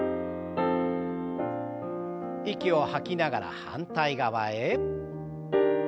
息を吐きながら反対側へ。